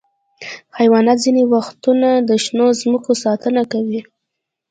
حیوانات ځینې وختونه د شنو ځمکو ساتنه کوي.